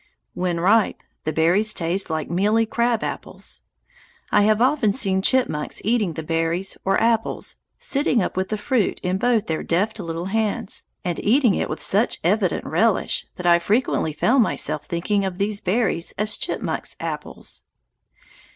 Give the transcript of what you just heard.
When ripe the berries taste like mealy crab apples. I have often seen chipmunks eating the berries, or apples, sitting up with the fruit in both their deft little hands, and eating it with such evident relish that I frequently found myself thinking of these berries as chipmunk's apples.